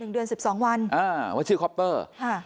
เดือน๑๒วันว่าชื่อคอปเตอร์